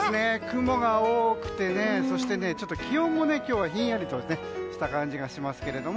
雲が多くて、そしてちょっと気温も今日はひんやりとした感じがしますけど。